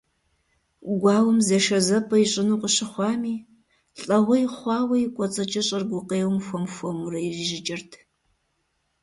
Гуауэм зэшэзэпӀэ ищӀыну къыщыхъуами, лӀэгъуей хъуауэ и кӀуэцӀыкӀыщӀэр гукъеуэм хуэм-хуэмурэ ирижьыкӀырт.